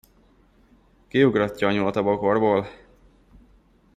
Kiugratja a nyulat a bokorból.